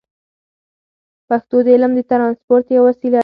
پښتو د علم د ترانسپورت یوه وسیله ده.